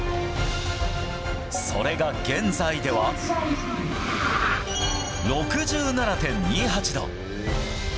それが現在では、６７．２８度。